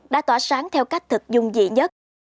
đã tỏa sáng theo cách thực dung dị nhất